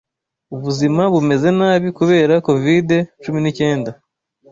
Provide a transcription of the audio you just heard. Ubuzima bumeze nabi kubera covid cumi n'icyenda